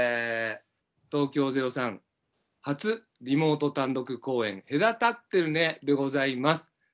東京０３初リモート単独公演「隔たってるね。」でございます。